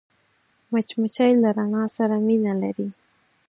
مچمچۍ له رڼا سره مینه لري